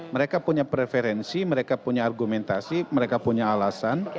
mereka punya preferensi mereka punya argumentasi mereka punya alasan